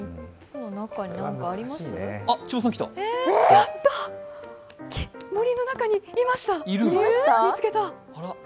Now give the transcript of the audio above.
やった、森の中にいました、見つけた！